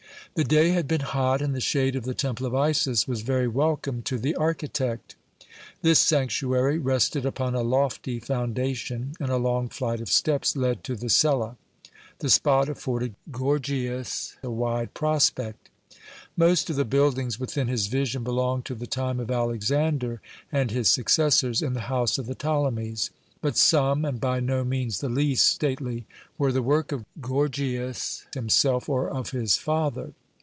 The day had been hot, and the shade of the Temple of Isis was very welcome to the architect. This sanctuary rested upon a lofty foundation, and a long flight of steps led to the cella. The spot afforded Gorgias a wide prospect. Most of the buildings within his vision belonged to the time of Alexander and his successors in the house of the Ptolemies, but some, and by no means the least stately, were the work of Gorgias himself or of his father.